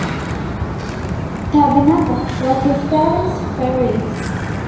Tadanaga was his parents' favorite.